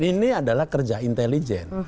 ini adalah kerja intelijen